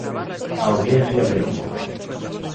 Audiencia de Lugo.